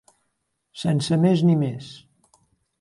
Sense més ni més.